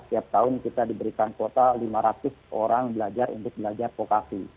setiap tahun kita diberikan kuota lima ratus orang belajar untuk belajar vokasi